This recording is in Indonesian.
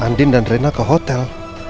andin dan rena ke hotel